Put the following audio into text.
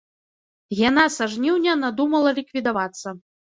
Яна са жніўня надумала ліквідавацца.